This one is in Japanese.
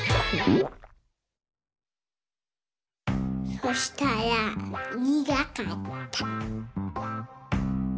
そしたらにがかった。